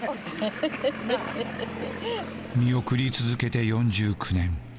見送り続けて４９年。